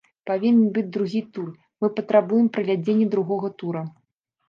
Павінен быць другі тур, мы патрабуем правядзення другога тура.